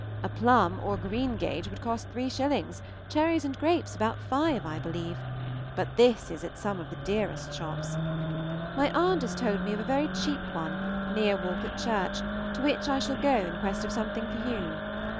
A plum or greengage would cost three shillings; cherries and grapes about five, I believe, but this is at some of the dearest shops. My aunt has told me of a very cheap one, near Walcot Church, to which I shall go in quest of something for you.